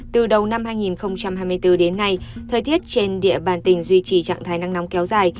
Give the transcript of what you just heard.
từ đầu năm hai nghìn hai mươi bốn đến nay thời tiết trên địa bàn tỉnh duy trì trạng thái nắng nóng kéo dài